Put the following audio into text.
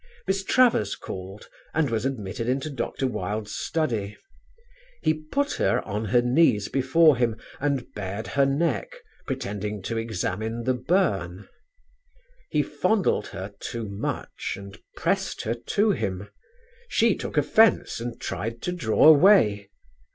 Miss Travers called and was admitted into Dr. Wilde's study. He put her on her knees before him and bared her neck, pretending to examine the burn; he fondled her too much and pressed her to him: she took offence and tried to draw away.